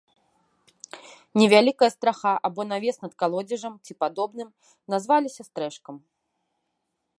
Невялікая страха або навес над калодзежам ці падобным назваліся стрэшкам.